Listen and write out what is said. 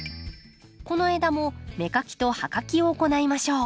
この枝も芽かきと葉かきを行いましょう。